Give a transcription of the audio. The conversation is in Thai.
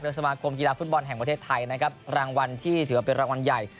สมาคมกีฬาฟุตบอลแห่งประเทศไทยนะครับรางวัลที่ถือว่าเป็นรางวัลใหญ่